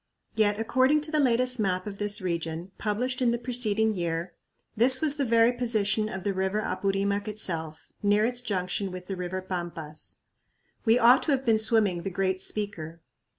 Yet according to the latest map of this region, published in the preceding year, this was the very position of the river Apurimac itself, near its junction with the river Pampas. We ought to have been swimming "the Great Speaker."